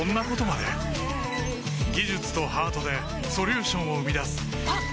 技術とハートでソリューションを生み出すあっ！